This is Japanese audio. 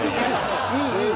いいいい。